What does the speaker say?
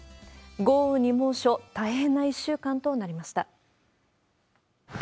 豪雨に猛暑、大変な１週間となりました。